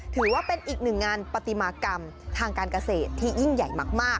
ถือว่าเป็นอีกหนึ่งงานปฏิมากรรมทางการเกษตรที่ยิ่งใหญ่มาก